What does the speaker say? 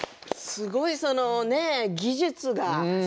すごい、その技術が。